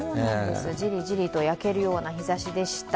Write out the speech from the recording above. じりじりと焼けるような日ざしでした。